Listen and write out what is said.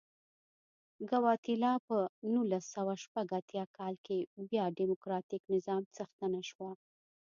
ګواتیلا په نولس سوه شپږ اتیا کال کې بیا ډیموکراتیک نظام څښتنه شوه.